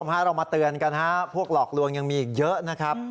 พาเรามาเตือนกันฮะพวกหลอกลวงยังมีอีกเยอะนะครับ